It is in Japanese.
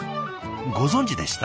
ご存じでした？